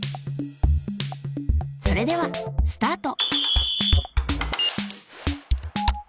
それではスタート。